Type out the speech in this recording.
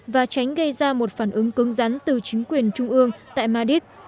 và tránh gây ra một phản ứng cứng rắn từ chính quyền trung ương tại madit